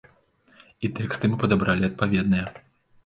І тэксты мы падабралі адпаведныя.